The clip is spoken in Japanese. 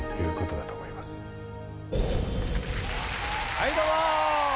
はいどうも！